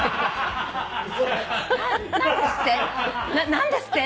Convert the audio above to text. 何ですって？